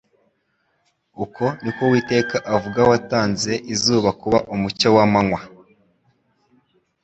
«Uko ni ko Uwiteka avuga watanze izuba kuba umucyo w'amanywa,